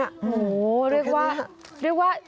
โอ้โฮเรียกว่า